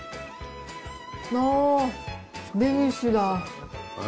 わー、デニッシュだ。